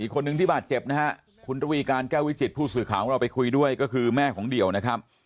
คนหนึ่งที่บาดเจ็บนะฮะคุณระวีการแก้ววิจิตผู้สื่อข่าวของเราไปคุยด้วยก็คือแม่ของเดี่ยวนะครับ